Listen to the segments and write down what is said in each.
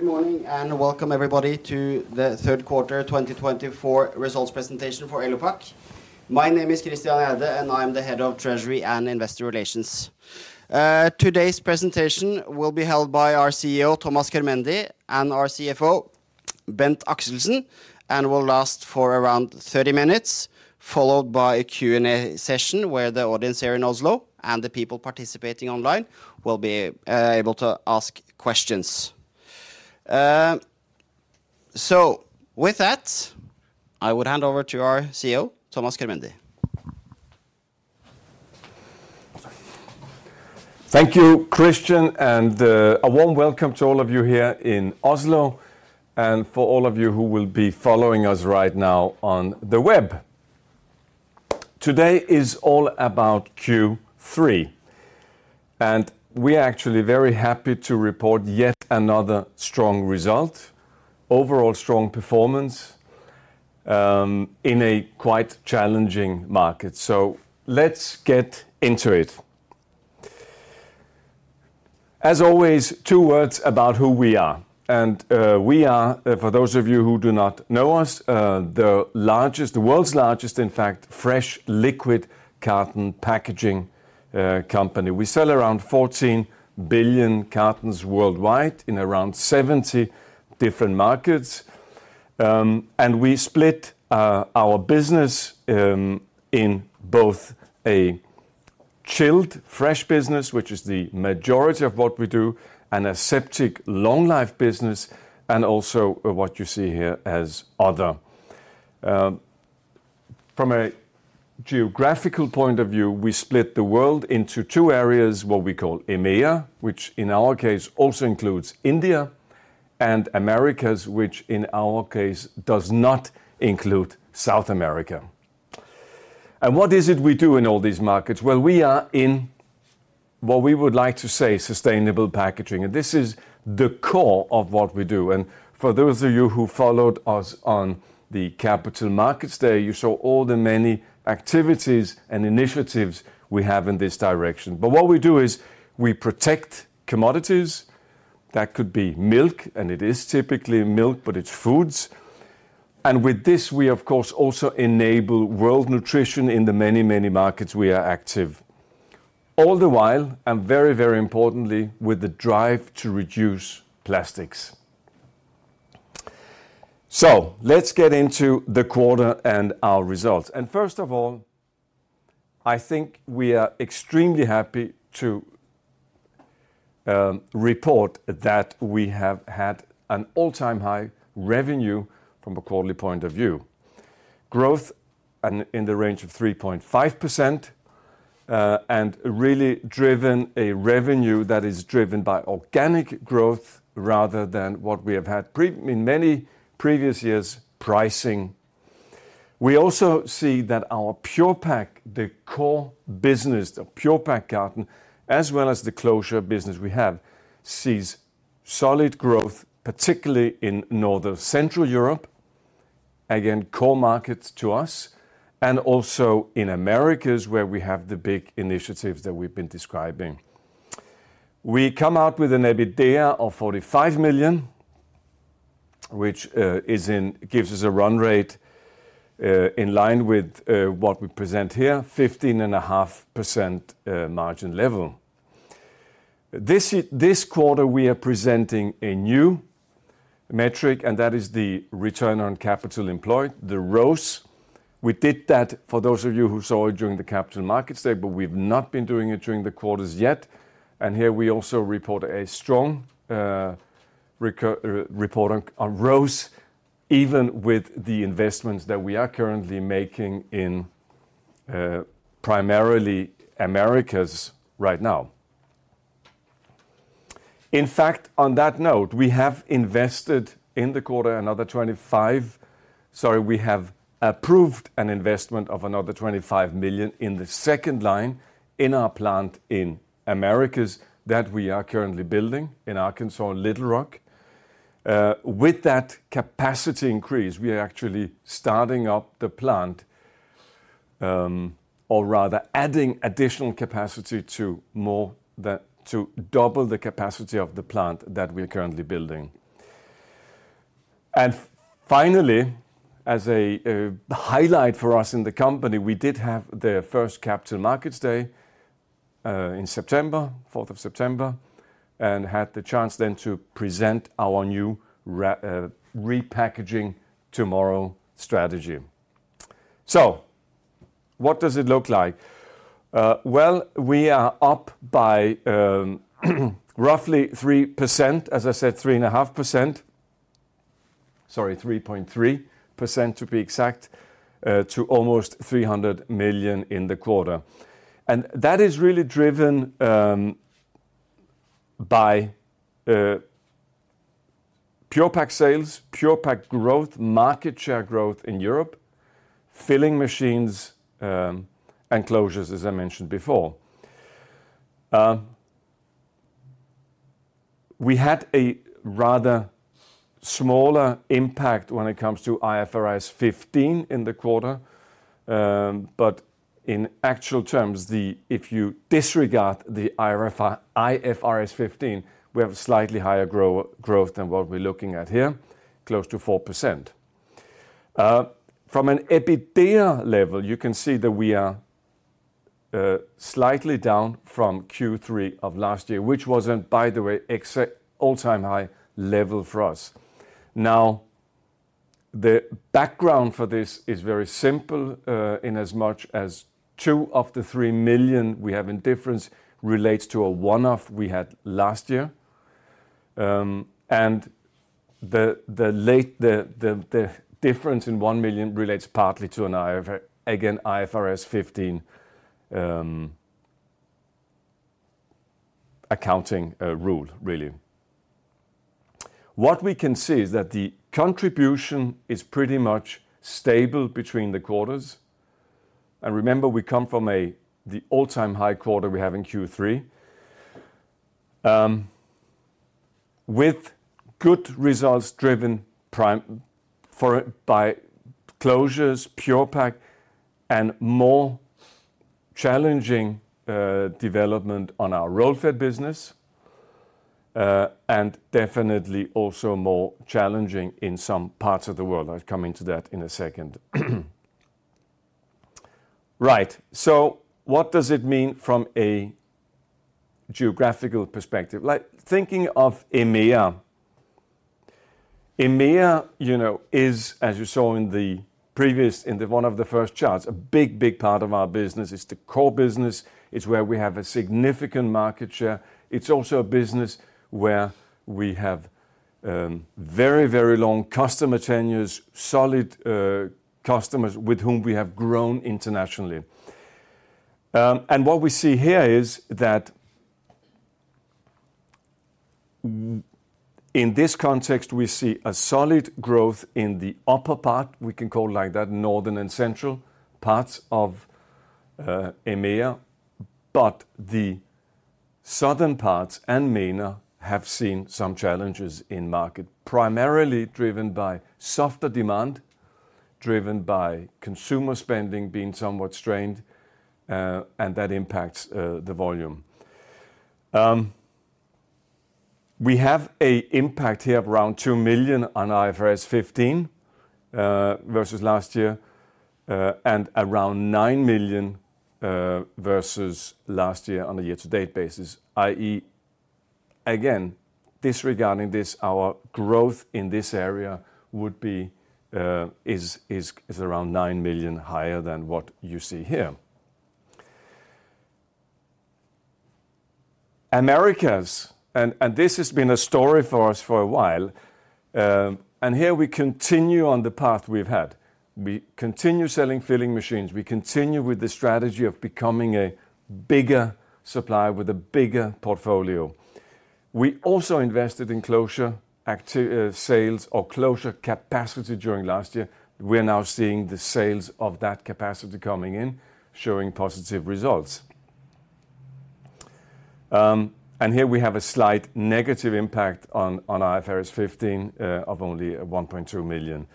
Good morning and welcome, everybody, to the Q3 2024 Results Presentation for Elopak. My name is Christian Gjerde, and I am the Head of Treasury and Investor Relations. Today's presentation will be held by our CEO, Thomas Körmendi, and our CFO, Bent K. Axelsen, and will last for around 30 minutes, followed by a Q&A session where the audience here in Oslo and the people participating online will be able to ask questions. So with that, I would hand over to our CEO, Thomas Körmendi. Thank you, Christian, and a warm welcome to all of you here in Oslo and for all of you who will be following us right now on the web. Today is all about Q3, and we are actually very happy to report yet another strong result, overall strong performance in a quite challenging market. So let's get into it. As always, two words about who we are. And we are, for those of you who do not know us, the world's largest, in fact, fresh liquid carton packaging company. We sell around 14 billion cartons worldwide in around 70 different markets. And we split our business in both a chilled, fresh business, which is the majority of what we do, and an aseptic, long-life business, and also what you see here as other. From a geographical point of view, we split the world into two areas, what we call EMEA, which in our case also includes India, and Americas, which in our case does not include South America. What is it we do in all these markets? Well, we are in what we would like to say sustainable packaging. This is the core of what we do. For those of you who followed us on the Capital Markets Day, you saw all the many activities and initiatives we have in this direction. What we do is we protect commodities. That could be milk, and it is typically milk, but it's foods. With this, we, of course, also enable world nutrition in the many, many markets we are active. All the while, and very, very importantly, with the drive to reduce plastics. Let's get into the quarter and our results. And first of all, I think we are extremely happy to report that we have had an all-time high revenue from a quarterly point of view. Growth in the range of 3.5% and really driven a revenue that is driven by organic growth rather than what we have had in many previous years' pricing. We also see that our Pure-Pak, the core business, the Pure-Pak carton, as well as the closure business we have, sees solid growth, particularly in northern Central Europe, again, core markets to us, and also in Americas where we have the big initiatives that we've been describing. We come out with an EBITDA of 45 million, which gives us a run rate in line with what we present here, 15.5% margin level. This quarter, we are presenting a new metric, and that is the return on capital employed, the ROCE. We did that, for those of you who saw it during the Capital Markets Day, but we've not been doing it during the quarters yet. Here we also report a strong report on ROCE, even with the investments that we are currently making in primarily Americas right now. In fact, on that note, we have invested in the quarter another 25, sorry, we have approved an investment of another 25 million in the second line in our plant in Americas that we are currently building in Arkansas, Little Rock. With that capacity increase, we are actually starting up the plant, or rather adding additional capacity to double the capacity of the plant that we are currently building. Finally, as a highlight for us in the company, we did have the first Capital Markets Day in September, 4th of September, and had the chance then to present our new Repackaging Tomorrow strategy. So what does it look like? Well, we are up by roughly 3%, as I said, 3.5%, sorry, 3.3% to be exact, to almost 300 million in the quarter. And that is really driven by Pure-Pak sales, Pure-Pak growth, market share growth in Europe, filling machines, and closures, as I mentioned before. We had a rather smaller impact when it comes to IFRS 15 in the quarter, but in actual terms, if you disregard the IFRS 15, we have slightly higher growth than what we're looking at here, close to 4%. From an EBITDA level, you can see that we are slightly down from Q3 of last year, which wasn't, by the way, an all-time high level for us. Now, the background for this is very simple in as much as two of the three million we have in difference relates to a one-off we had last year, and the difference in one million relates partly to an IFRS 15 accounting rule, really. What we can see is that the contribution is pretty much stable between the quarters, and remember, we come from the all-time high quarter we have in Q3, with good results driven by closures, Pure-Pak, and more challenging development on our roll-fed business, and definitely also more challenging in some parts of the world. I'll come into that in a second. Right, so what does it mean from a geographical perspective? Thinking of EMEA, EMEA is, as you saw in the previous, in one of the first charts, a big, big part of our business. It's the core business. It's where we have a significant market share. It's also a business where we have very, very long customer tenures, solid customers with whom we have grown internationally. And what we see here is that in this context, we see a solid growth in the upper part, we can call it like that, northern and central parts of EMEA, but the southern parts and mainland have seen some challenges in market, primarily driven by softer demand, driven by consumer spending being somewhat strained, and that impacts the volume. We have an impact here of around 2 million on IFRS 15 versus last year, and around 9 million versus last year on a year-to-date basis, i.e., again, disregarding this, our growth in this area would be around 9 million higher than what you see here. Americas, and this has been a story for us for a while, and here we continue on the path we've had. We continue selling filling machines. We continue with the strategy of becoming a bigger supplier with a bigger portfolio. We also invested in closure sales or closure capacity during last year. We're now seeing the sales of that capacity coming in, showing positive results, and here we have a slight negative impact on IFRS 15 of only 1.2 million.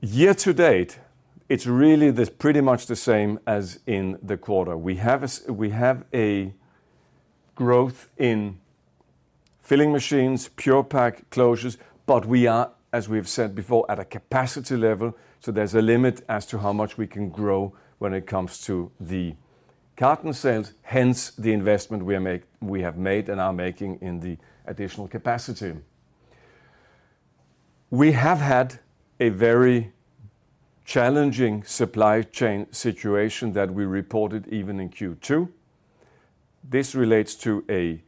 Year-to-date, it's really pretty much the same as in the quarter. We have a growth in filling machines, Pure-Pak closures, but we are, as we've said before, at a capacity level, so there's a limit as to how much we can grow when it comes to the carton sales, hence the investment we have made and are making in the additional capacity. We have had a very challenging supply chain situation that we reported even in Q2. This relates to a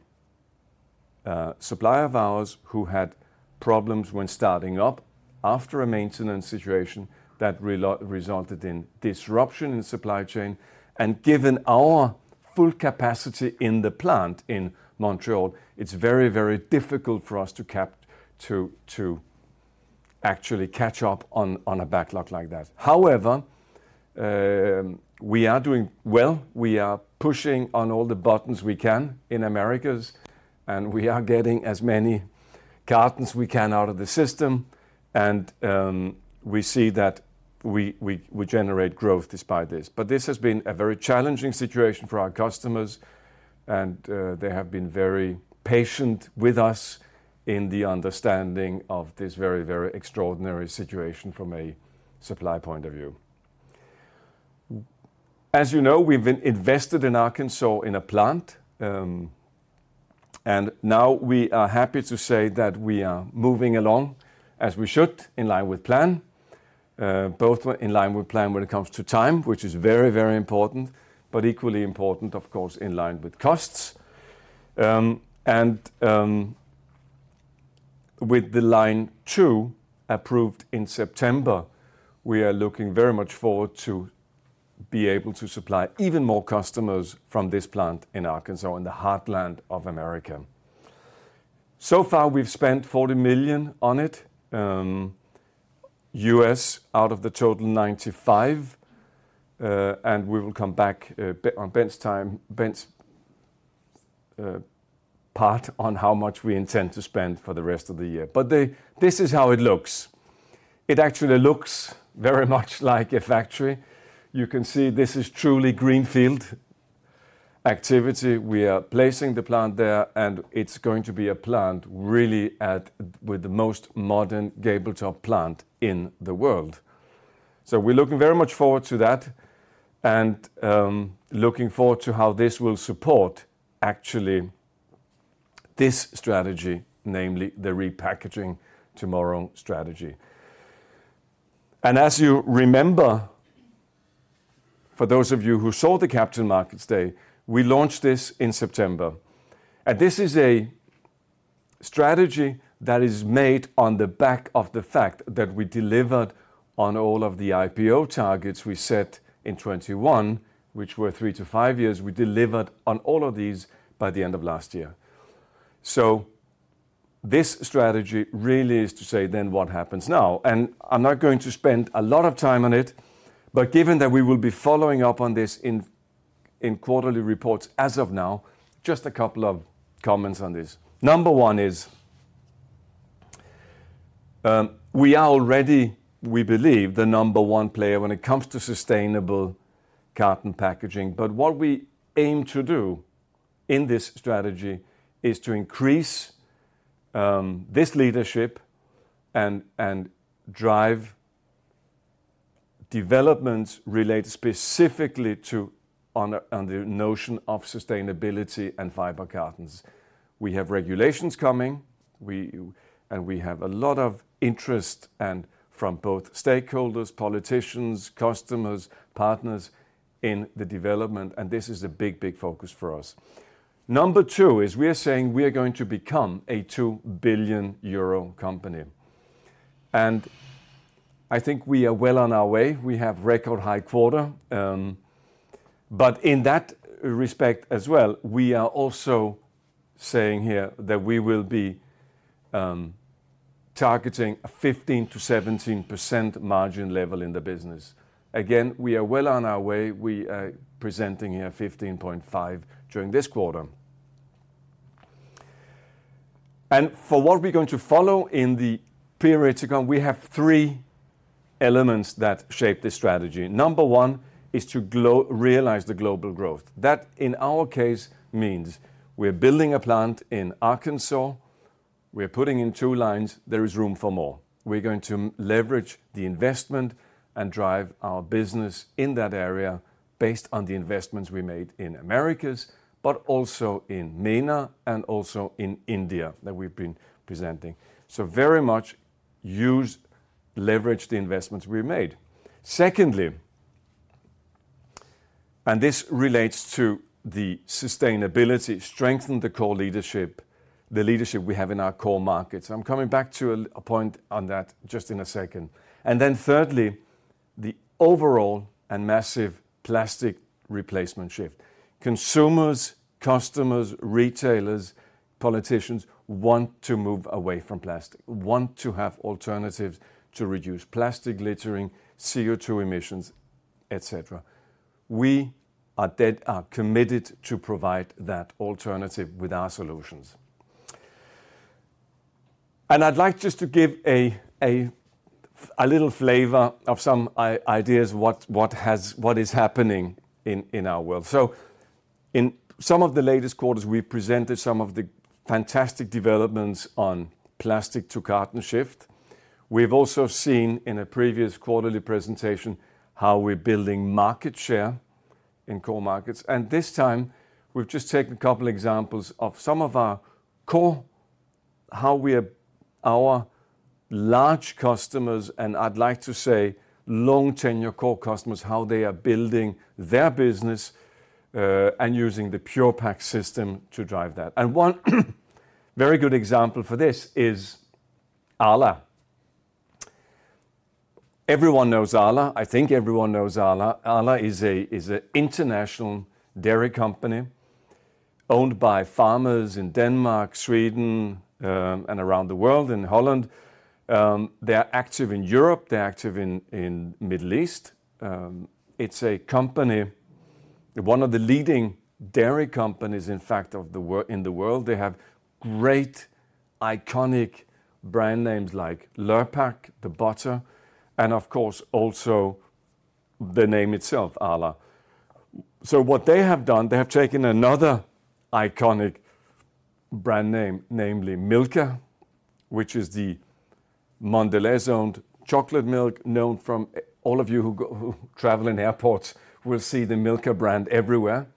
supplier of ours who had problems when starting up after a maintenance situation that resulted in disruption in the supply chain, and given our full capacity in the plant in Montreal, it's very, very difficult for us to actually catch up on a backlog like that. However, we are doing well. We are pushing on all the buttons we can in Americas, and we are getting as many cartons we can out of the system. We see that we generate growth despite this. This has been a very challenging situation for our customers, and they have been very patient with us in the understanding of this very, very extraordinary situation from a supply point of view. As you know, we've invested in Arkansas in a plant, and now we are happy to say that we are moving along as we should, in line with plan, both in line with plan when it comes to time, which is very, very important, but equally important, of course, in line with costs. With the line two approved in September, we are looking very much forward to be able to supply even more customers from this plant in Arkansas in the heartland of America. So far, we've spent $40 million USD out of the total 95 million USD, and we will come back on Bent's part on how much we intend to spend for the rest of the year. But this is how it looks. It actually looks very much like a factory. You can see this is truly greenfield activity. We are placing the plant there, and it's going to be a plant really with the most modern gable top plant in the world. So we're looking very much forward to that and looking forward to how this will support actually this strategy, namely the repackaging tomorrow strategy. And as you remember, for those of you who saw the capital markets day, we launched this in September. And this is a strategy that is made on the back of the fact that we delivered on all of the IPO targets we set in 2021, which were three to five years. We delivered on all of these by the end of last year. So this strategy really is to say then what happens now. And I'm not going to spend a lot of time on it, but given that we will be following up on this in quarterly reports as of now, just a couple of comments on this. Number one is we are already, we believe, the number one player when it comes to sustainable carton packaging. But what we aim to do in this strategy is to increase this leadership and drive developments related specifically to the notion of sustainability and fiber cartons. We have regulations coming, and we have a lot of interest from both stakeholders, politicians, customers, partners in the development, and this is a big, big focus for us. Number two is we are saying we are going to become a 2 billion euro company. And I think we are well on our way. We have record high quarter. But in that respect as well, we are also saying here that we will be targeting a 15%-17% margin level in the business. Again, we are well on our way. We are presenting here 15.5% during this quarter. And for what we're going to follow in the period to come, we have three elements that shape this strategy. Number one is to realize the global growth. That in our case means we're building a plant in Arkansas. We're putting in two lines. There is room for more. We're going to leverage the investment and drive our business in that area based on the investments we made in Americas, but also in mainland and also in India that we've been presenting. So very much use, leverage the investments we made. Secondly, and this relates to the sustainability, strengthen the core leadership, the leadership we have in our core markets. I'm coming back to a point on that just in a second. And then thirdly, the overall and massive plastic replacement shift. Consumers, customers, retailers, politicians want to move away from plastic, want to have alternatives to reduce plastic littering, CO2 emissions, etc. We are committed to provide that alternative with our solutions. And I'd like just to give a little flavor of some ideas of what is happening in our world. In some of the latest quarters, we've presented some of the fantastic developments on plastic to carton shift. We've also seen in a previous quarterly presentation how we're building market share in core markets. This time, we've just taken a couple of examples of some of our core, how our large customers, and I'd like to say long-tenure core customers, how they are building their business and using the Pure-Pak system to drive that. One very good example for this is Arla. Everyone knows Arla. I think everyone knows Arla. Arla is an international dairy company owned by farmers in Denmark, Sweden, and around the world in Holland. They're active in Europe. They're active in the Middle East. It's a company, one of the leading dairy companies, in fact, in the world. They have great iconic brand names like Lurpak, the butter, and of course, also the name itself, Arla. So what they have done, they have taken another iconic brand name, namely Milka, which is the Mondelez-owned chocolate milk known from all of you who travel in airports will see the Milka brand everywhere.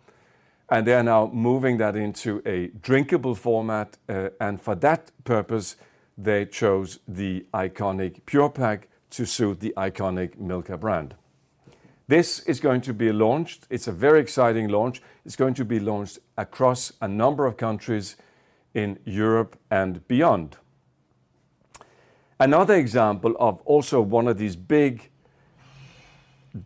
And they are now moving that into a drinkable format. And for that purpose, they chose the iconic Pure-Pak to suit the iconic Milka brand. This is going to be launched. It's a very exciting launch. It's going to be launched across a number of countries in Europe and beyond. Another example of also one of these big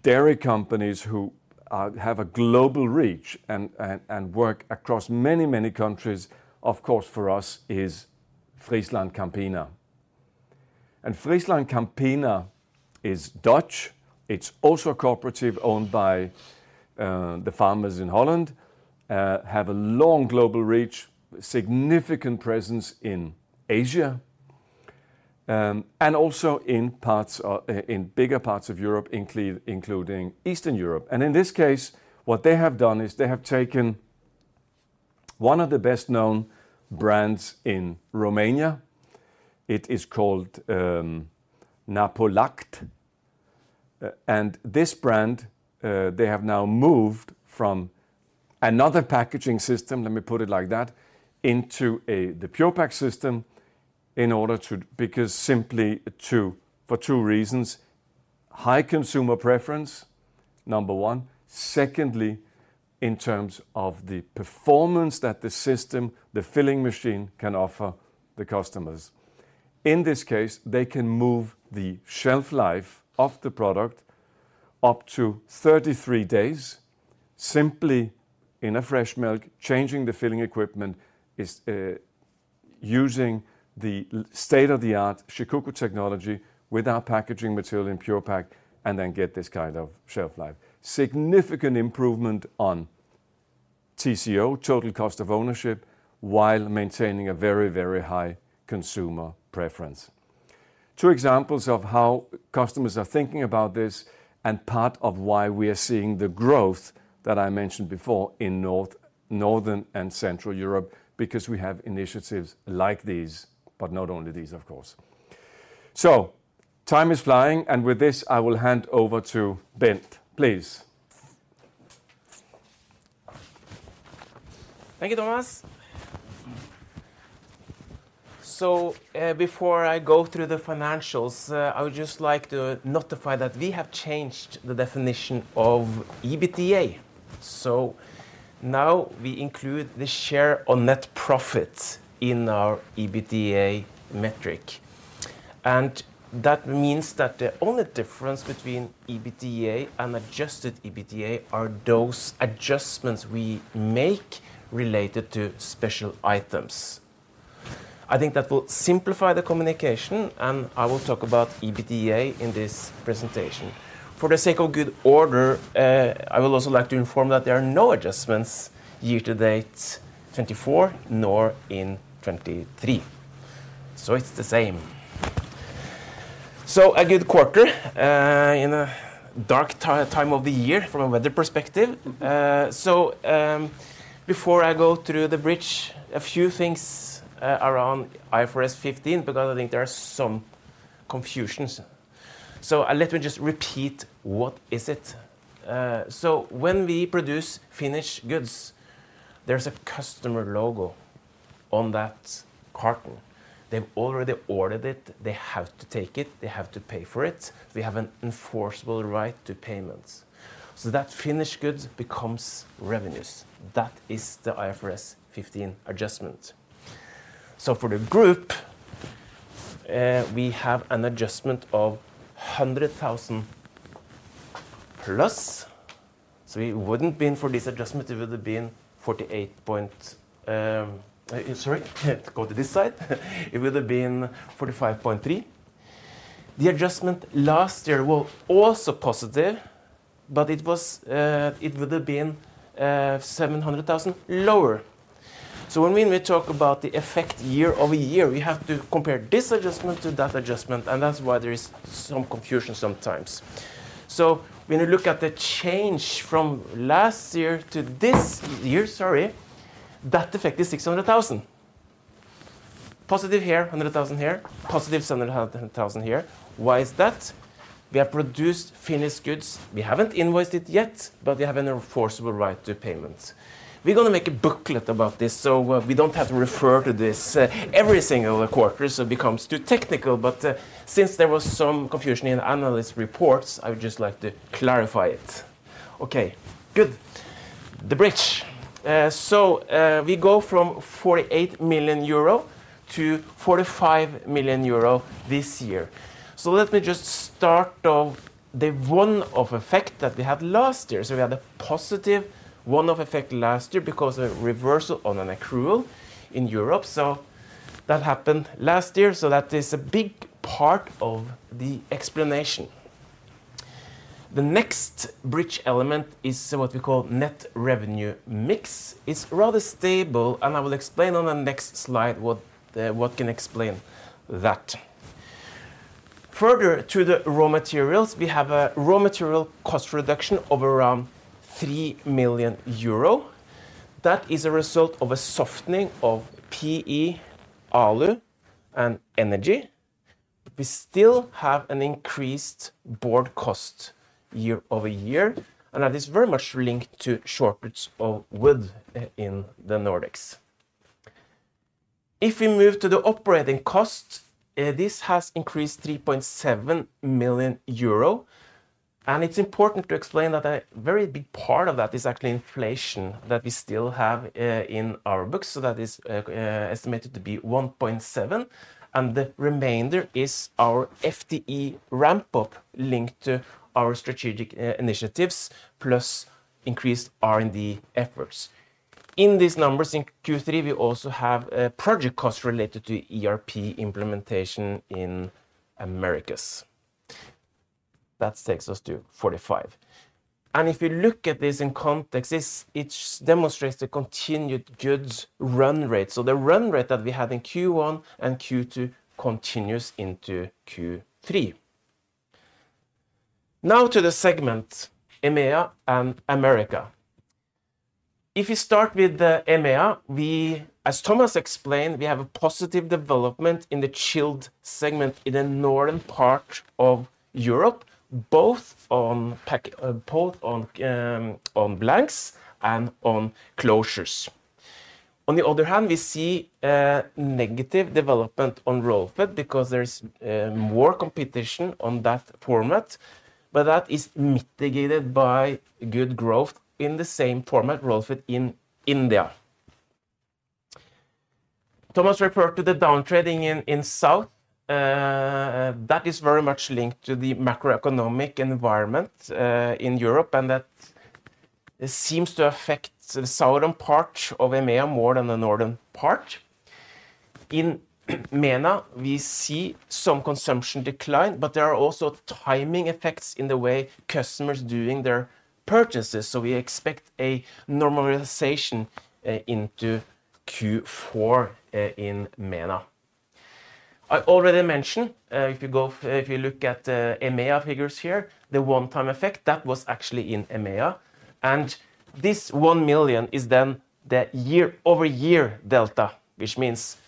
dairy companies who have a global reach and work across many, many countries, of course, for us, is FrieslandCampina. And FrieslandCampina is Dutch. It's also a cooperative owned by the farmers in Holland, have a long global reach, significant presence in Asia, and also in bigger parts of Europe, including Eastern Europe. And in this case, what they have done is they have taken one of the best-known brands in Romania. It is called Napolact. And this brand, they have now moved from another packaging system, let me put it like that, into the Pure-Pak system in order to, because simply for two reasons: high consumer preference, number one. Secondly, in terms of the performance that the system, the filling machine, can offer the customers. In this case, they can move the shelf life of the product up to 33 days simply in a fresh milk, changing the filling equipment, using the state-of-the-art Shikoku technology with our packaging material in Pure-Pak, and then get this kind of shelf life. Significant improvement on TCO, total cost of ownership, while maintaining a very, very high consumer preference. Two examples of how customers are thinking about this and part of why we are seeing the growth that I mentioned before in Northern and Central Europe, because we have initiatives like these, but not only these, of course, so time is flying, and with this, I will hand over to Bent. Please. Thank you, Thomas, so before I go through the financials, I would just like to notify that we have changed the definition of EBITDA. So now we include the share on net profit in our EBITDA metric. And that means that the only difference between EBITDA and adjusted EBITDA are those adjustments we make related to special items. I think that will simplify the communication, and I will talk about EBITDA in this presentation. For the sake of good order, I would also like to inform that there are no adjustments year-to-date 2024, nor in 2023. So it's the same. So a good quarter in a dark time of the year from a weather perspective. So before I go through the bridge, a few things around IFRS 15 because I think there are some confusions. So let me just repeat what is it. So when we produce finished goods, there's a customer logo on that carton. They've already ordered it. They have to take it. They have to pay for it. We have an enforceable right to payments. So that finished goods becomes revenues. That is the IFRS 15 adjustment. So for the group, we have an adjustment of 100,000 plus. So it wouldn't have been for this adjustment, it would have been 48 point, sorry, go to this side. It would have been 45.3. The adjustment last year was also positive, but it would have been 700,000 lower. So when we talk about the effect year over year, we have to compare this adjustment to that adjustment, and that's why there is some confusion sometimes. So when you look at the change from last year to this year, sorry, that effect is 600,000. Positive here, 100,000 here, positive 700,000 here. Why is that? We have produced finished goods. We haven't invoiced it yet, but we have an enforceable right to payments. We're going to make a booklet about this so we don't have to refer to this every single quarter so it becomes too technical. But since there was some confusion in analyst reports, I would just like to clarify it. Okay, good. The bridge. So we go from 48 million euro to 45 million euro this year. Let me just start off the one-off effect that we had last year. We had a positive one-off effect last year because of a reversal on an accrual in Europe. That happened last year. That is a big part of the explanation. The next bridge element is what we call net revenue mix. It's rather stable, and I will explain on the next slide what can explain that. Further to the raw materials, we have a raw material cost reduction of around three million EUR. That is a result of a softening of PE, alu and energy. We still have an increased board cost year over year, and that is very much linked to shortages of wood in the Nordics. If we move to the operating cost, this has increased 3.7 million euro. It's important to explain that a very big part of that is actually inflation that we still have in our books. So that is estimated to be 1.7. The remainder is our FTE ramp-up linked to our strategic initiatives plus increased R&D efforts. In these numbers in Q3, we also have project costs related to ERP implementation in Americas. That takes us to 45. If you look at this in context, it demonstrates the continued good run rate. The run rate that we had in Q1 and Q2 continues into Q3. Now to the segment EMEA and Americas. If we start with the EMEA, as Thomas explained, we have a positive development in the chilled segment in the northern part of Europe, both on blanks and on closures. On the other hand, we see negative development on roll-fed because there's more competition on that format, but that is mitigated by good growth in the same format, roll-fed in India. Thomas referred to the downtrading in south. That is very much linked to the macroeconomic environment in Europe, and that seems to affect the southern part of EMEA more than the northern part. In MENA, we see some consumption decline, but there are also timing effects in the way customers are doing their purchases, so we expect a normalization into Q4 in MENA. I already mentioned, if you look at the EMEA figures here, the one-time effect, that was actually in EMEA, and this one million is then the year-over-year delta, which means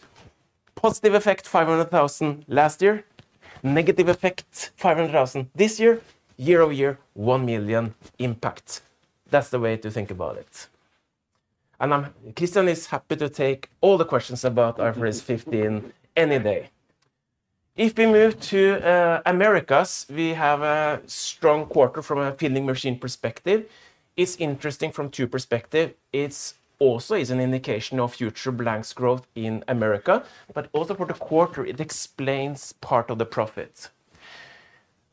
positive effect 500,000 last year, negative effect 500,000 this year, year-over-year one million impact. That's the way to think about it. And Christian is happy to take all the questions about IFRS 15 any day. If we move to Americas, we have a strong quarter from a filling machine perspective. It's interesting from two perspectives. It also is an indication of future blanks growth in America, but also for the quarter, it explains part of the profit.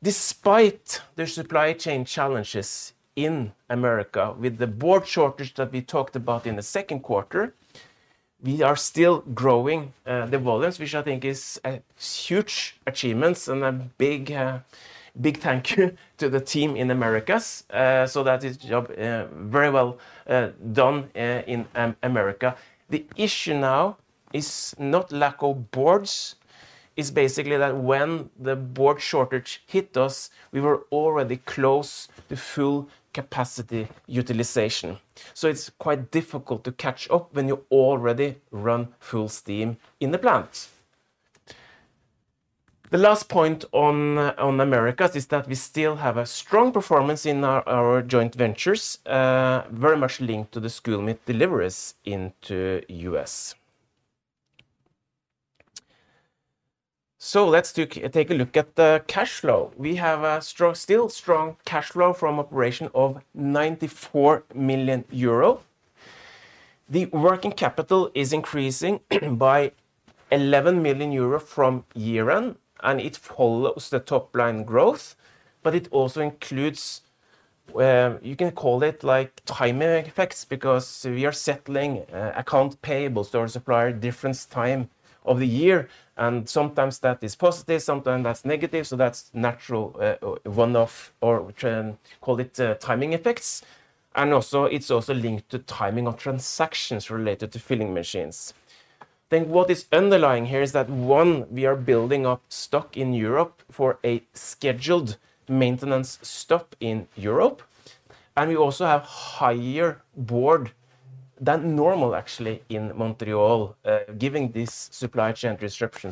Despite the supply chain challenges in America with the board shortage that we talked about in the Q2, we are still growing the volumes, which I think is a huge achievement and a big thank you to the team in Americas. So that is very well done in America. The issue now is not lack of boards. It's basically that when the board shortage hit us, we were already close to full capacity utilization. So it's quite difficult to catch up when you already run full steam in the plant. The last point on Americas is that we still have a strong performance in our joint ventures, very much linked to the school milk deliveries into the U.S. So let's take a look at the cash flow. We have a still strong cash flow from operation of 94 million euro. The working capital is increasing by 11 million euro from year-end, and it follows the top-line growth, but it also includes, you can call it like timing effects because we are settling account payables to our supplier different time of the year. And sometimes that is positive, sometimes that's negative. So that's natural one-off, or call it timing effects. And also it's also linked to timing of transactions related to filling machines. I think what is underlying here is that, one, we are building up stock in Europe for a scheduled maintenance stop in Europe. We also have higher board than normal, actually, in Montreal, giving this supply chain disruption.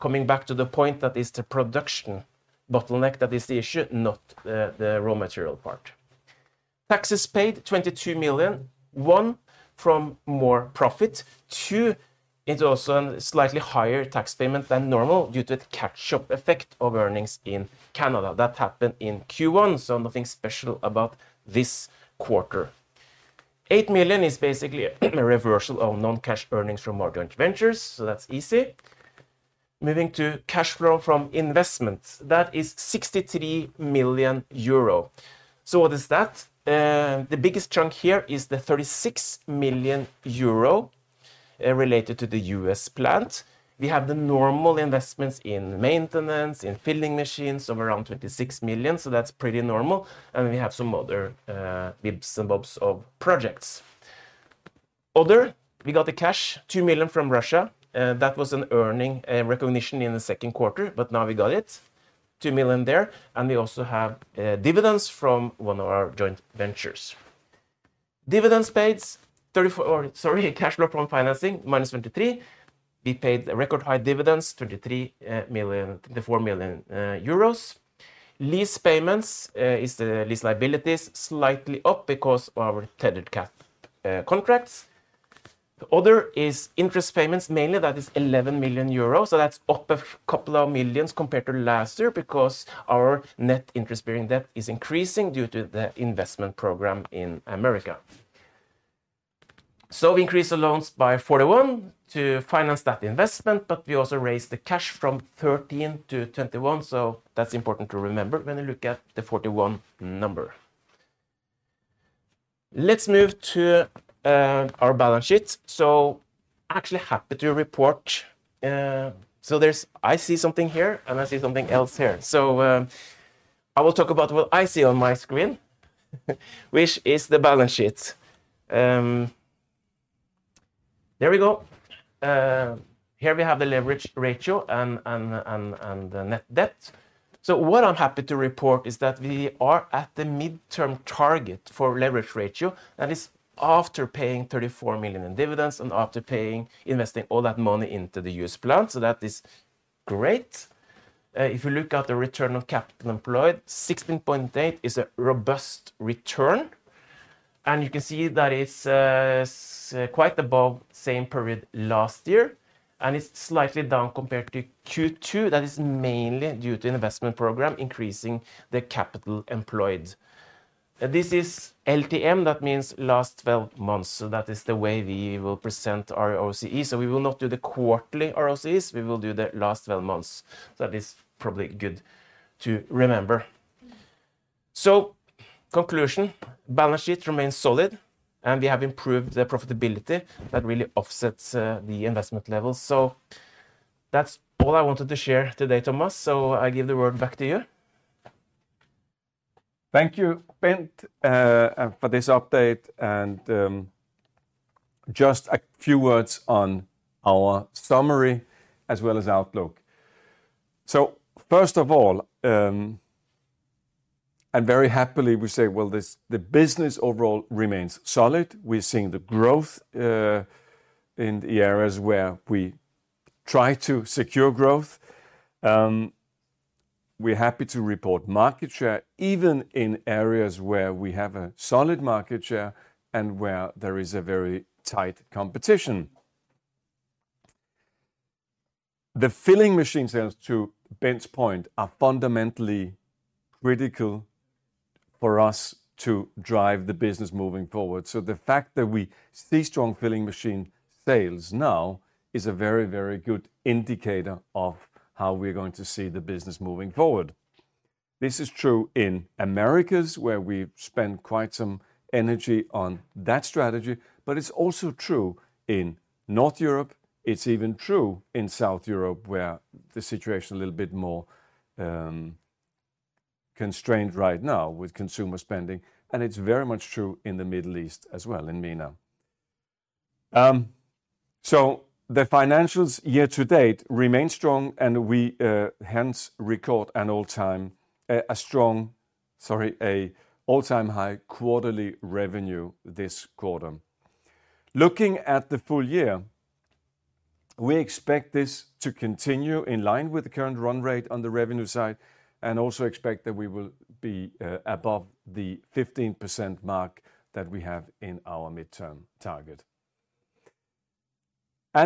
Coming back to the point that is the production bottleneck, that is the issue, not the raw material part. Taxes paid, 22 million EUR. One, from more profit. Two, it's also a slightly higher tax payment than normal due to the catch-up effect of earnings in Canada. That happened in Q1, so nothing special about this quarter. 8 million EUR is basically a reversal of non-cash earnings from mark-to-market, so that's easy. Moving to cash flow from investments, that is 63 million euro. What is that? The biggest chunk here is the 36 million euro related to the US plant. We have the normal investments in maintenance, in filling machines, of around 26 million EUR, so that's pretty normal. We have some other bits and bobs of projects. Other, we got the cash, 2 million from Russia. That was an earnings recognition in the Q2, but now we got it, 2 million there. We also have dividends from one of our joint ventures. Dividends paid, sorry, cash flow from financing, minus 23 million. We paid record-high dividends, 23 million, 24 million euros. Lease payments is the lease liabilities, slightly up because of our tethered cap contracts. Other is interest payments, mainly that is 11 million euros. That's up a couple of millions compared to last year because our net interest-bearing debt is increasing due to the investment program in America. We increased the loans by 41 million to finance that investment, but we also raised the cash from 13 million to 21 million. That's important to remember when you look at the 41 number. Let's move to our balance sheet. Actually happy to report. So I will talk about what I see on my screen, which is the balance sheet. There we go. Here we have the leverage ratio and net debt. So what I'm happy to report is that we are at the midterm target for leverage ratio. That is after paying 34 million in dividends and after investing all that money into the US plant. So that is great. If you look at the return on capital employed, 16.8 is a robust return. And you can see that it's quite above the same period last year. And it's slightly down compared to Q2. That is mainly due to the investment program increasing the capital employed. This is LTM, that means last 12 months. So that is the way we will present our ROCE. So we will not do the quarterly ROCEs. We will do the last 12 months. So that is probably good to remember. So conclusion, balance sheet remains solid and we have improved the profitability that really offsets the investment levels. So that's all I wanted to share today, Thomas. So I give the word back to you. Thank you, Bent, for this update. And just a few words on our summary as well as outlook. So first of all, and very happily we say, well, the business overall remains solid. We're seeing the growth in the areas where we try to secure growth. We're happy to report market share even in areas where we have a solid market share and where there is a very tight competition. The filling machine sales, to Bent's point, are fundamentally critical for us to drive the business moving forward. The fact that we see strong filling machine sales now is a very, very good indicator of how we're going to see the business moving forward. This is true in Americas where we spend quite some energy on that strategy, but it's also true in Northern Europe. It's even true in Southern Europe where the situation is a little bit more constrained right now with consumer spending. And it's very much true in the Middle East as well in MENA. The financials year to date remain strong and we hence record an all-time high quarterly revenue this quarter. Looking at the full year, we expect this to continue in line with the current run rate on the revenue side and also expect that we will be above the 15% mark that we have in our midterm target.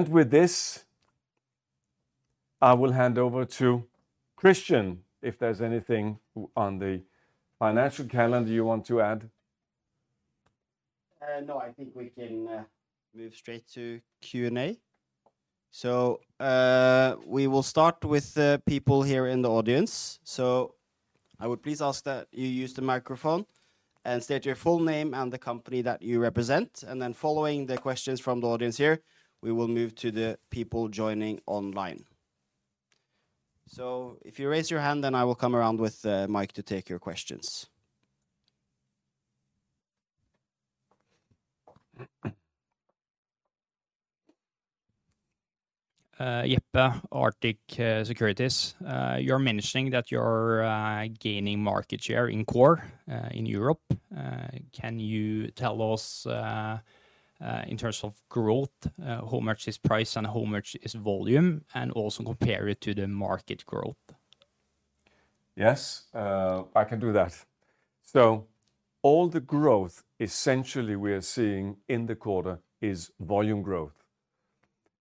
With this, I will hand over to Christian if there's anything on the financial calendar you want to add. No, I think we can move straight to Q&A. We will start with people here in the audience. I would please ask that you use the microphone and state your full name and the company that you represent. Then following the questions from the audience here, we will move to the people joining online. If you raise your hand, then I will come around with the mic to take your questions. Jeppe, Arctic Securities, you're mentioning that you're gaining market share in core in Europe. Can you tell us in terms of growth, how much is price and how much is volume, and also compare it to the market growth? Yes, I can do that. So all the growth essentially we are seeing in the quarter is volume growth.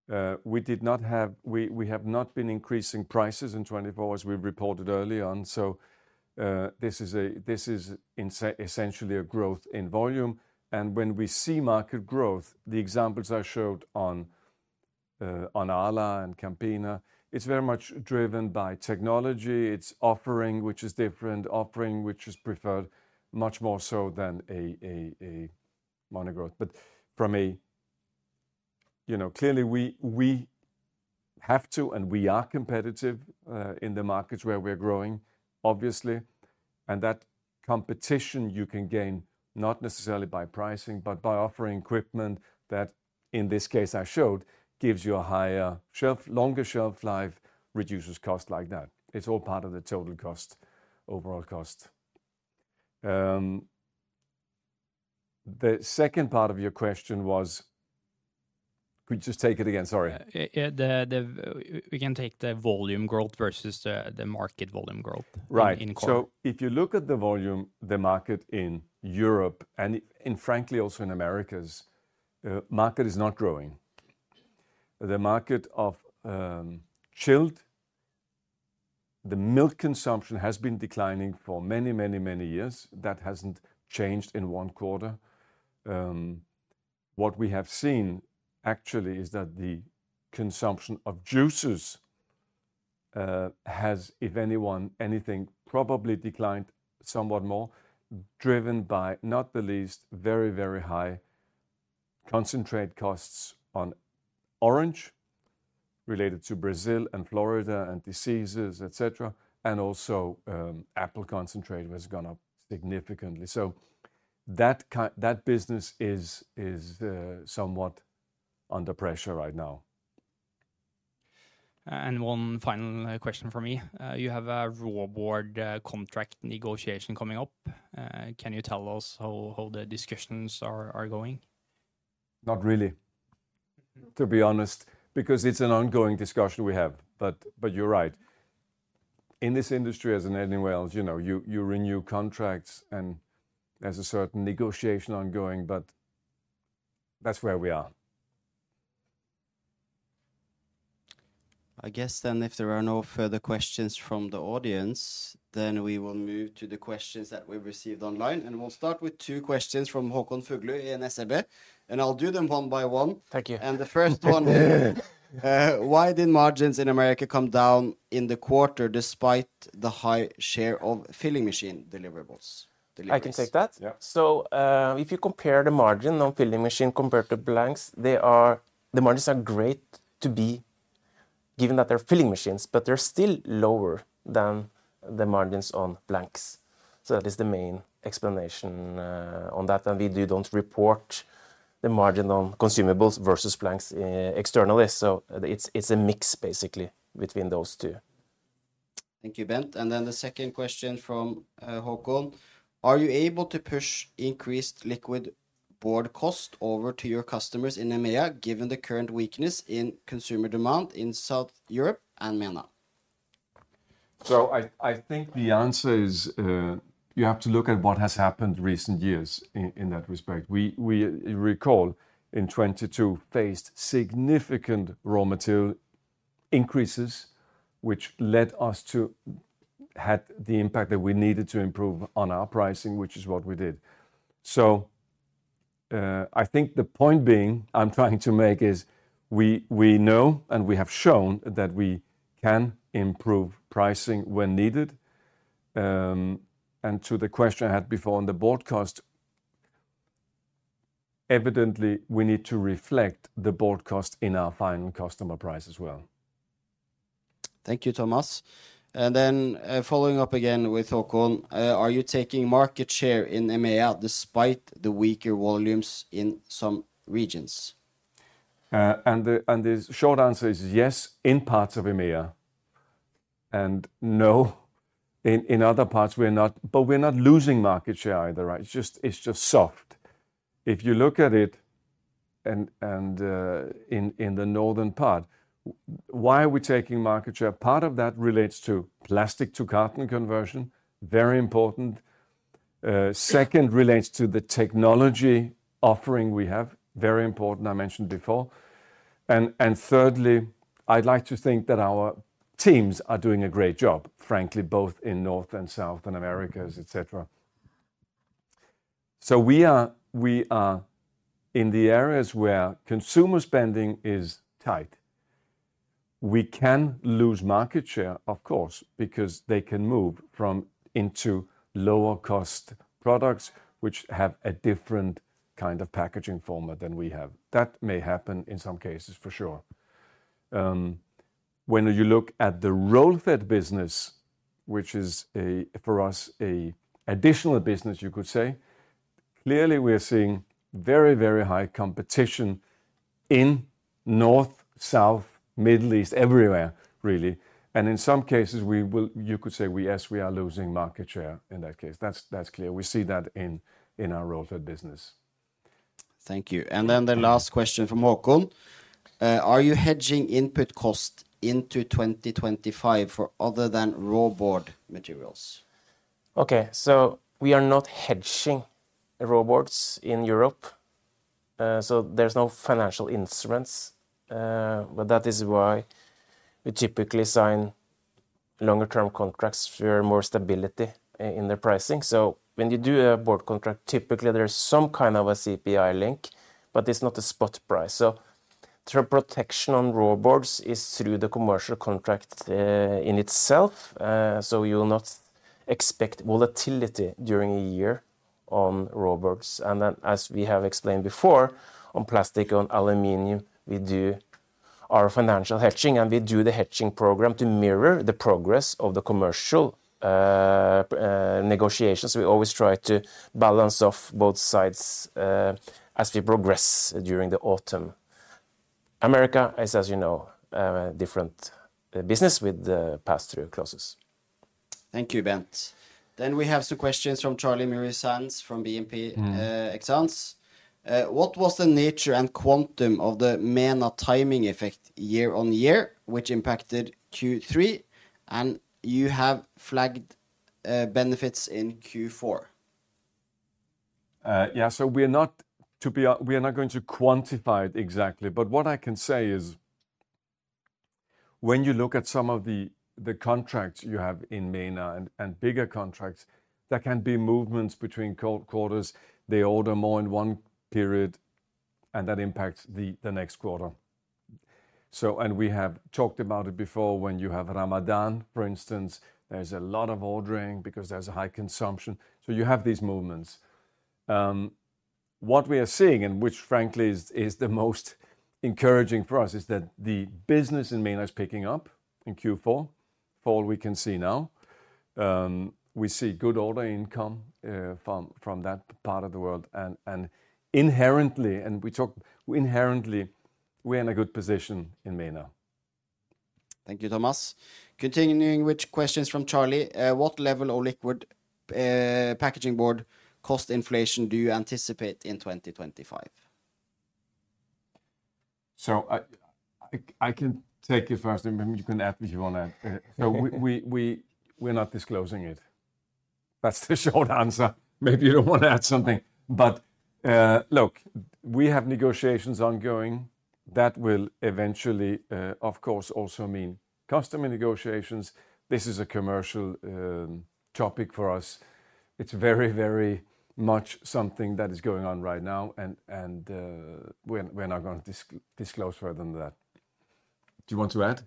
We have not been increasing prices in 2024. We reported early on. So this is essentially a growth in volume. And when we see market growth, the examples I showed on Arla and FrieslandCampina, it's very much driven by technology. It's offering, which is different, offering, which is preferred much more so than a monogrowth. But for me, you know, clearly we have to and we are competitive in the markets where we're growing, obviously. And that competition you can gain not necessarily by pricing, but by offering equipment that in this case I showed gives you a higher shelf, longer shelf life, reduces cost like that. It's all part of the total cost, overall cost. The second part of your question was, could you just take it again? Sorry. We can take the volume growth versus the market volume growth. Right. So if you look at the volume, the market in Europe and frankly also in Americas market is not growing. The market of chilled, the milk consumption has been declining for many, many, many years. That hasn't changed in one quarter. What we have seen actually is that the consumption of juices has, if anything, probably declined somewhat more, driven by not least very, very high concentrate costs on orange related to Brazil and Florida and diseases, etc. And also apple concentrate was gone up significantly. So that business is somewhat under pressure right now. And one final question for me. You have a raw board contract negotiation coming up. Can you tell us how the discussions are going? Not really, to be honest, because it's an ongoing discussion we have. But you're right. In this industry, as in anyone else, you renew contracts and there's a certain negotiation ongoing, but that's where we are. I guess then if there are no further questions from the audience, then we will move to the questions that we received online. And we'll start with two questions from Håkon Fuglu in SEB. And I'll do them one by one. Thank you. And the first one, why did margins in America come down in the quarter despite the high share of filling machine deliverables? I can take that. So if you compare the margin on filling machine compared to blanks, the margins are great to be given that they're filling machines, but they're still lower than the margins on blanks. So that is the main explanation on that. And we do not report the margin on consumables versus blanks externally. So it's a mix basically between those two. Thank you, Bent. And then the second question from Håkon. Are you able to push increased liquid board cost over to your customers in EMEA given the current weakness in consumer demand in South Europe and MENA? So I think the answer is you have to look at what has happened recent years in that respect. We recall in 2022 faced significant raw material increases, which led us to had the impact that we needed to improve on our pricing, which is what we did. So I think the point being I'm trying to make is we know and we have shown that we can improve pricing when needed. And to the question I had before on the board cost, evidently we need to reflect the board cost in our final customer price as well. Thank you, Thomas. Then following up again with Håkon, are you taking market share in EMEA despite the weaker volumes in some regions? The short answer is yes in parts of EMEA and no in other parts we're not, but we're not losing market share either, right? It's just soft. If you look at it and in the northern part, why are we taking market share? Part of that relates to plastic to carton conversion, very important. Second relates to the technology offering we have, very important, I mentioned before. And thirdly, I'd like to think that our teams are doing a great job, frankly, both in North and South and Americas, etc. So we are in the areas where consumer spending is tight. We can lose market share, of course, because they can move into lower cost products, which have a different kind of packaging format than we have. That may happen in some cases, for sure. When you look at the roll fed business, which is for us an additional business, you could say, clearly we are seeing very, very high competition in North, South, Middle East, everywhere really. And in some cases, you could say we are losing market share in that case. That's clear. We see that in our roll fed business. Thank you. And then the last question from Håkon. Are you hedging input cost into 2025 for other than raw board materials? Okay, so we are not hedging raw boards in Europe. So there's no financial instruments, but that is why we typically sign longer term contracts for more stability in the pricing. So when you do a board contract, typically there's some kind of a CPI link, but it's not a spot price. So the protection on raw boards is through the commercial contract in itself. So you will not expect volatility during a year on raw boards. And then as we have explained before, on plastic, on aluminum, we do our financial hedging and we do the hedging program to mirror the progress of the commercial negotiations. We always try to balance off both sides as we progress during the autumn. America is, as you know, a different business with the pass-through clauses. Thank you, Bent. Then we have some questions from Charlie Muir-Sands from BNP Paribas Exane. What was the nature and quantum of the MENA timing effect year on year, which impacted Q3? And you have flagged benefits in Q4. Yeah, so we're not, to be honest, we're not going to quantify it exactly. But what I can say is when you look at some of the contracts you have in MENA and bigger contracts, there can be movements between quarters. They order more in one period and that impacts the next quarter. And we have talked about it before when you have Ramadan, for instance, there's a lot of ordering because there's a high consumption. So you have these movements. What we are seeing, and which frankly is the most encouraging for us, is that the business in MENA is picking up in Q4, for all we can see now. We see good order income from that part of the world. And inherently, and we talk inherently, we're in a good position in MENA. Thank you, Thomas. Continuing with questions from Charlie. What level of liquid packaging board cost inflation do you anticipate in 2025? So I can take it first. You can add if you want to add. So we're not disclosing it. That's the short answer. Maybe you don't want to add something. But look, we have negotiations ongoing that will eventually, of course, also mean customer negotiations. This is a commercial topic for us. It's very, very much something that is going on right now. And we're not going to disclose further than that. Do you want to add?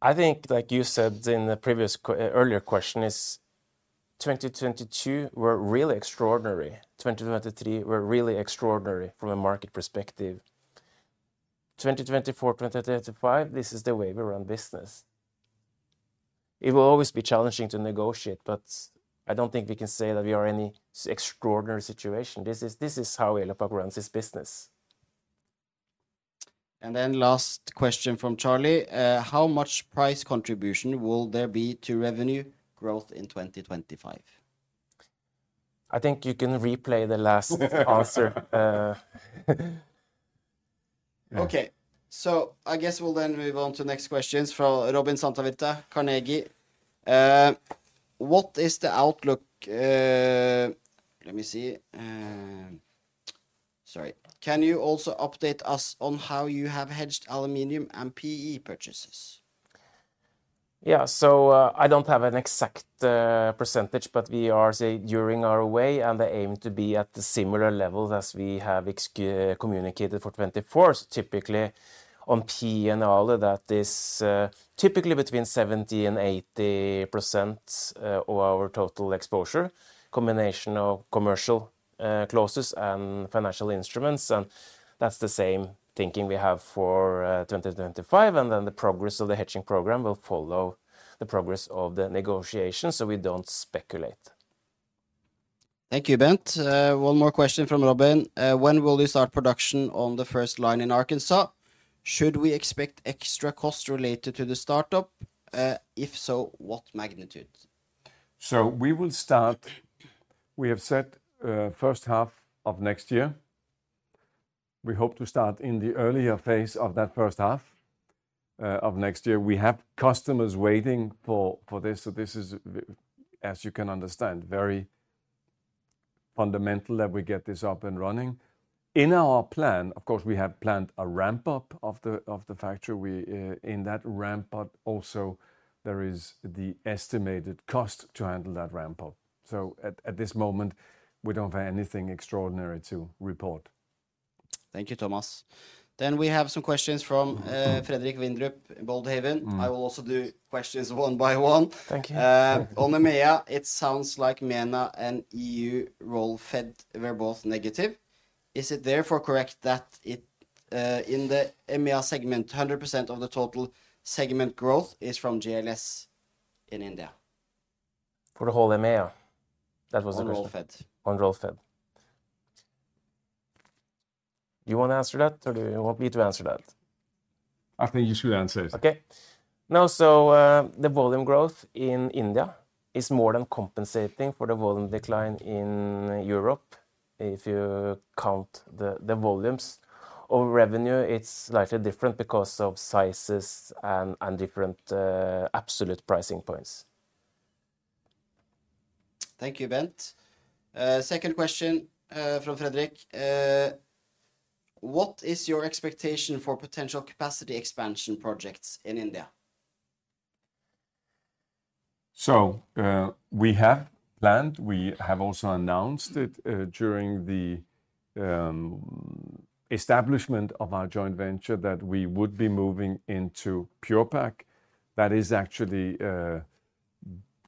I think, like you said in the previous earlier question, is 2022 were really extraordinary. 2023 were really extraordinary from a market perspective. 2024, 2025, this is the way we run business. It will always be challenging to negotiate, but I don't think we can say that we are in any extraordinary situation. This is how Elopak runs its business. And then last question from Charlie. How much price contribution will there be to revenue growth in 2025? I think you can replay the last answer. Okay, so I guess we'll then move on to next questions from Robin Santavirta, Carnegie. What is the outlook? Let me see. Sorry. Can you also update us on how you have hedged aluminum and PE purchases? Yeah, so I don't have an exact percentage, but we are saying during our Q&A and they aim to be at the similar levels as we have communicated for 2024. Typically on PE and aluminum, that is typically between 70% and 80% of our total exposure, combination of commercial clauses and financial instruments. And that's the same thinking we have for 2025. And then the progress of the hedging program will follow the progress of the negotiation. So we don't speculate. Thank you, Bent. One more question from Robin. When will you start production on the first line in Arkansas? Should we expect extra costs related to the startup? If so, what magnitude? We will start. We have set first half of next year. We hope to start in the earlier phase of that first half of next year. We have customers waiting for this. This is, as you can understand, very fundamental that we get this up and running. In our plan, of course, we have planned a ramp-up of the factory. In that ramp-up, also there is the estimated cost to handle that ramp-up. At this moment, we don't have anything extraordinary to report. Thank you, Thomas. We have some questions from Fredrik Vindrup in ABG Sundal Collier. I will also do questions one by one. Thank you. On EMEA, it sounds like MENA and EU roll-fed were both negative. Is it therefore correct that in the EMEA segment, 100% of the total segment growth is from GLS in India? For the whole EMEA, that was the question. On roll-fed. You want to answer that or do you want me to answer that? I think you should answer it. Okay. No, so the volume growth in India is more than compensating for the volume decline in Europe. If you count the volumes of revenue, it's slightly different because of sizes and different absolute pricing points. Thank you, Bent. Second question from Frederik. What is your expectation for potential capacity expansion projects in India? So we have planned, we have also announced it during the establishment of our joint venture that we would be moving into Pure-Pak. That is actually,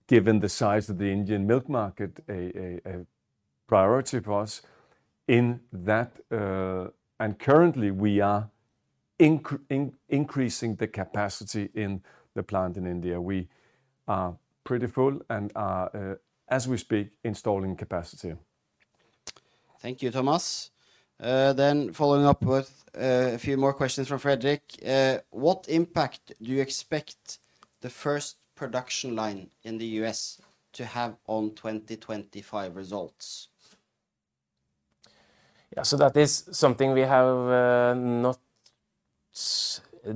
given the size of the Indian milk market, a priority for us. In that, and currently we are increasing the capacity in the plant in India. We are pretty full and are, as we speak, installing capacity. Thank you, Thomas. Then following up with a few more questions from Frederik. What impact do you expect the first production line in the US to have on 2025 results? Yeah, so that is something we have not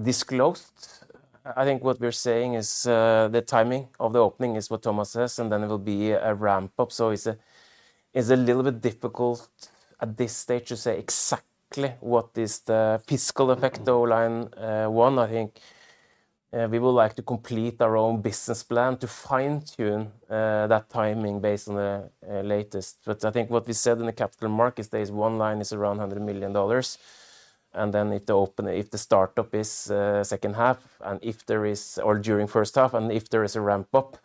disclosed. I think what we're saying is the timing of the opening is what Thomas says, and then it will be a ramp-up. So it's a little bit difficult at this stage to say exactly what is the fiscal effect of line one. I think we would like to complete our own business plan to fine-tune that timing based on the latest. But I think what we said in the capital markets days, one line is around $100 million. And then if the startup is second half, and if there is, or during first half, and if there is a ramp-up,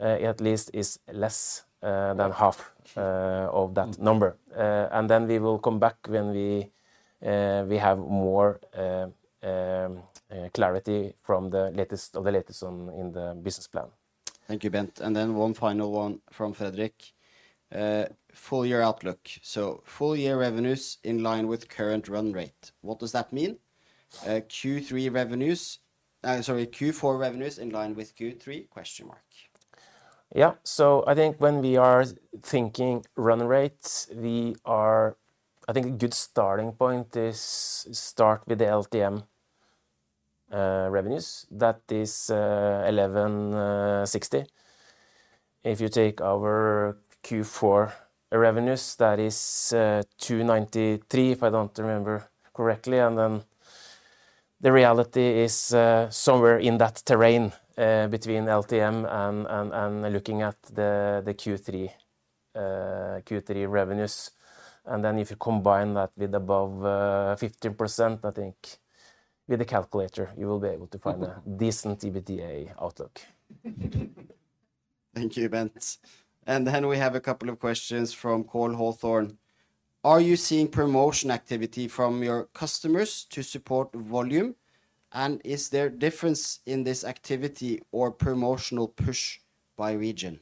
at least is less than half of that number. And then we will come back when we have more clarity from the latest of the latest in the business plan. Thank you, Bent. And then one final one from Frederik. Full year outlook. So full year revenues in line with current run rate. What does that mean? Q3 revenues, sorry, Q4 revenues in line with Q3? Yeah, so I think when we are thinking run rates, we are. I think a good starting point is start with the LTM revenues. That is 1,160. If you take our Q4 revenues, that is 293, if I don't remember correctly. And then the reality is somewhere in that terrain between LTM and looking at the Q3 revenues. And then if you combine that with above 15%, I think with the calculator, you will be able to find a decent EBITDA outlook. Thank you, Bent. And then we have a couple of questions from Cole Hathorn. Are you seeing promotion activity from your customers to support volume? And is there a difference in this activity or promotional push by region?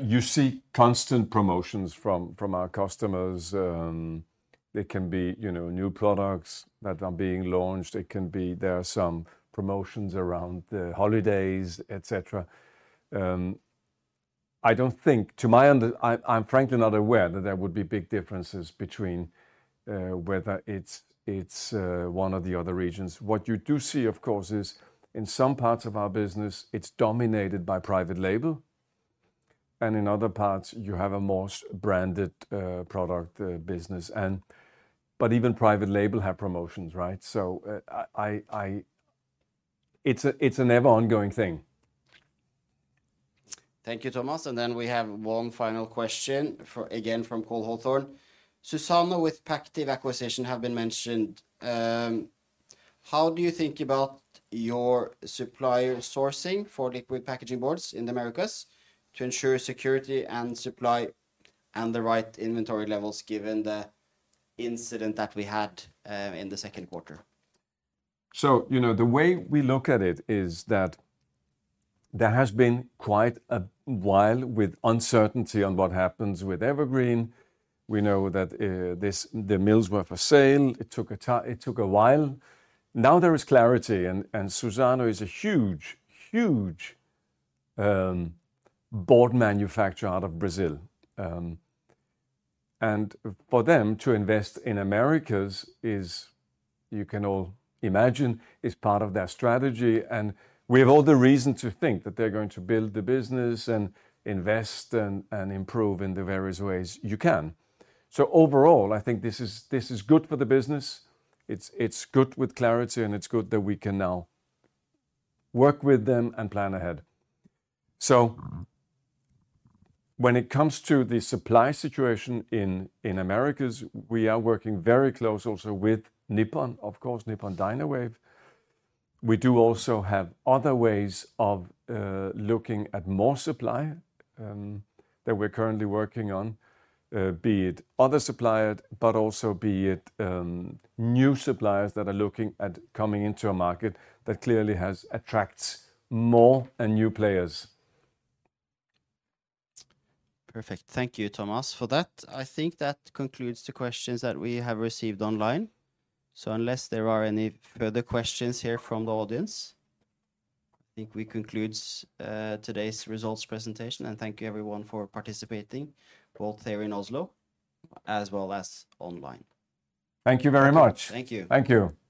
You see constant promotions from our customers. There can be new products that are being launched. There can be some promotions around the holidays, etc. I don't think, from my end, I'm frankly not aware that there would be big differences between whether it's one or the other regions. What you do see, of course, is in some parts of our business, it's dominated by private label. And in other parts, you have a more branded product business. But even private label have promotions, right? So it's an ever-ongoing thing. Thank you, Thomas. And then we have one final question again from Cole Hathorn. Suzano with Pactiv acquisition have been mentioned. How do you think about your supplier sourcing for liquid packaging boards in the Americas to ensure security and supply and the right inventory levels given the incident that we had in the Q2? So you know the way we look at it is that there has been quite a while with uncertainty on what happens with Evergreen. We know that the mills were for sale. It took a while. Now there is clarity. And Suzano is a huge, huge board manufacturer out of Brazil. And for them to invest in Americas is, you can all imagine, is part of their strategy. We have all the reason to think that they're going to build the business and invest and improve in the various ways you can. So overall, I think this is good for the business. It's good with clarity and it's good that we can now work with them and plan ahead. So when it comes to the supply situation in Americas, we are working very close also with Nippon, of course, Nippon Dynawave. We do also have other ways of looking at more supply that we're currently working on, be it other suppliers, but also be it new suppliers that are looking at coming into a market that clearly attracts more and new players. Perfect. Thank you, Thomas, for that. I think that concludes the questions that we have received online. So unless there are any further questions here from the audience, I think we conclude today's results presentation. Thank you, everyone, for participating, both here in Oslo as well as online. Thank you very much. Thank you. Thank you.